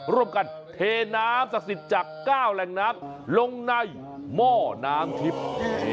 ร่วมกันเทน้ำศักดิ์สิทธิ์จาก๙แหล่งน้ำลงในหม้อน้ำทิพย์